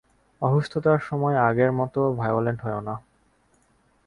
অসুস্থতার সময় আগের মতো ভায়োলেন্ট হয় না।